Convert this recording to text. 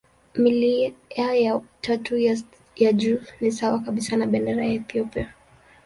Milia ya tatu ya juu ni sawa kabisa na bendera ya Ethiopia.